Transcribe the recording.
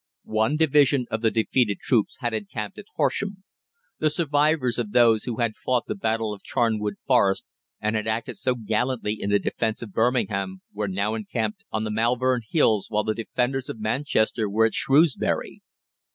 One division of the defeated troops had encamped at Horsham. The survivors of those who had fought the battle of Charnwood Forest, and had acted so gallantly in the defence of Birmingham, were now encamped on the Malvern Hills, while the defenders of Manchester were at Shrewsbury.